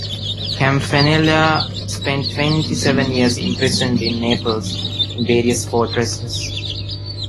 Campanella spent twenty-seven years imprisoned in Naples, in various fortresses.